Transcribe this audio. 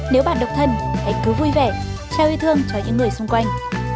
nếu bạn độc thân anh cứ vui vẻ trao yêu thương cho những người xung quanh